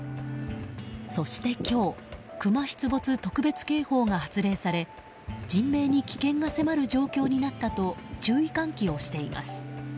そして、今日クマ出没特別警報が発令され人命に危険が迫る状況になったと注意喚起をしています。